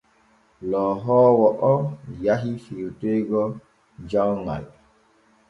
Lohoowo o yahi firtoygo jawŋal.